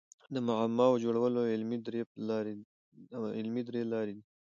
د معماوو جوړولو علمي درې لاري دي.